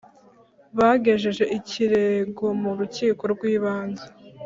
bagejeje ikirego mu rukiko rw’ibanze